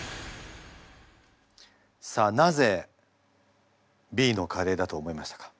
さあなぜＢのカレーだと思いましたか？